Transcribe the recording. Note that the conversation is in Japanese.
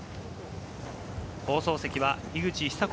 放送席は樋口久子